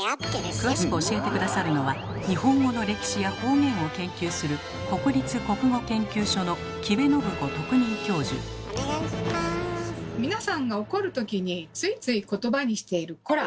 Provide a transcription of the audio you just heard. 詳しく教えて下さるのは日本語の歴史や方言を研究する皆さんが怒るときについつい言葉にしている「コラ！」